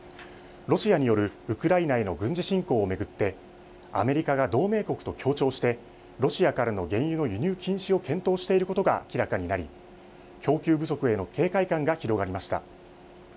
ロシアによるウクライナへの軍事侵攻を巡ってアメリカが同盟国と協調してロシアからの原油の輸入禁止を検討していることが明らかになり供給不足への警戒感が広がりました。